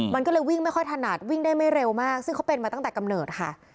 มันก็เลยวิ่งไม่ค่อยถนัดวิ่งได้ไม่เร็วมากซึ่งเขาเป็นมาตั้งแต่กำเนิดค่ะ